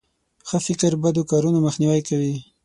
ښه فکر د بدو کارونو مخنیوی کوي.